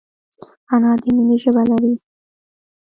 انا د مینې ژبه لري